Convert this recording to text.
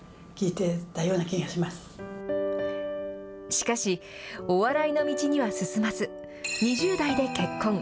しかし、お笑いの道には進まず、２０代で結婚。